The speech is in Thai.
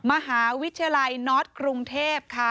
มหาวิทยาลัยน็อตกรุงเทพค่ะ